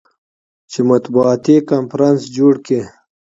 چې مطبوعاتي کنفرانس جوړ کي.